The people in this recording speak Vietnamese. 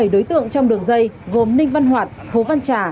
bảy đối tượng trong đường dây gồm ninh văn hoạt hồ văn trà